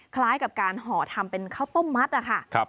คล้ายกับการห่อทำเป็นข้าวต้มมัดนะคะ